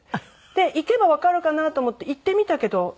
で行けばわかるかなと思って行ってみたけど。